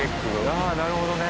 ああなるほどね。